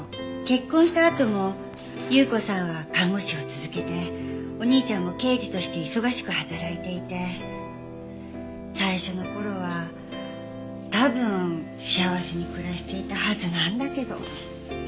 結婚したあとも有雨子さんは看護師を続けてお兄ちゃんも刑事として忙しく働いていて最初の頃は多分幸せに暮らしていたはずなんだけど。